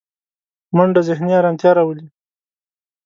منډه ذهني ارامتیا راولي